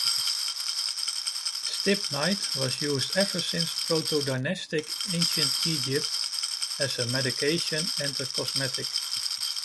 Stibnite was used ever since protodynastic Ancient Egypt as a medication and a cosmetic.